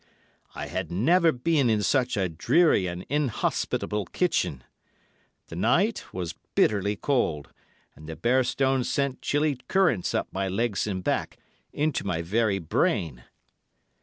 I had never been in such a dreary and inhospitable kitchen. The night was bitterly cold and the bare stones sent chilly currents up my legs and back, into my very brain.